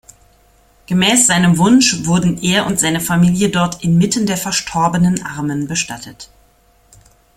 Gemäß seinem Wunsch wurden er und seine Familie dort „inmitten der verstorbenen Armen“ bestattet.